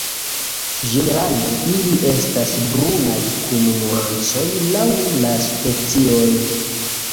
Ĝenerale ili estas brunaj kun nuancoj laŭ la specioj.